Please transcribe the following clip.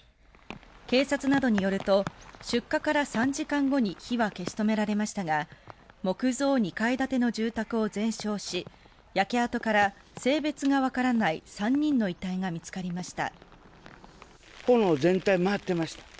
警察などによると出火から３時間後に火は消し止められましたが木造２階建ての住宅を全焼し焼け跡から性別がわからない３人の遺体が見つかりました。